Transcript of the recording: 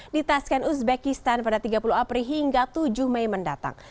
di tasken uzbekistan pada tiga puluh april hingga tujuh mei mendatang